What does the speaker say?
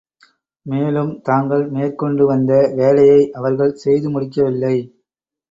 மேலும், தாங்கள் மேற்கொண்டுவந்த வேலையை அவர்கள் செய்து முடிக்கவில்லை.